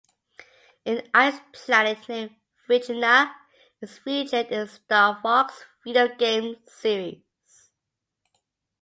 An ice planet named Fichina is featured in the "Star Fox" video game series.